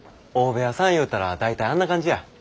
大部屋さんいうたら大体あんな感じや。